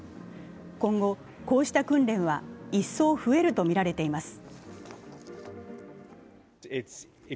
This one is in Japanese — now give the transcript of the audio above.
今後、こうした訓練は一層増えると見られています。